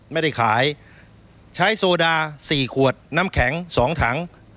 ไม่ได้ขายใช้โซดา๔ขวดน้ำแข็ง๒ถัง